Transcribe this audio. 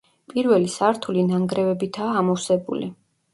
პირველი სართული ნანგრევებითაა ამოვსებული.